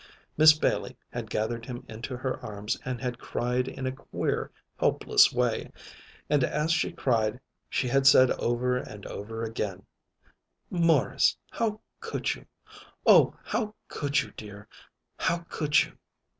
Miss Bailey had gathered him into her arms and had cried in a queer helpless way. And as she cried she had said over and over again: "Morris, how could you? Oh, how could you, dear? How could you?"